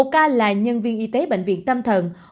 một ca là nhân viên y tế bệnh viện tâm thần